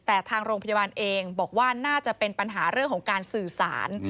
แต่ทางโรงพยาบาลเองบอกว่าน่าจะเป็นปัญหาเรื่องของการสื่อสาร